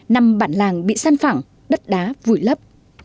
năm bản làng bị săn phẳng đất đá vùi lấp